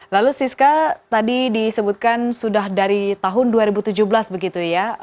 lalu siska tadi disebutkan sudah dari tahun dua ribu tujuh belas begitu ya